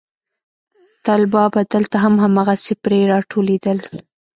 طلبا به دلته هم هماغسې پرې راټولېدل.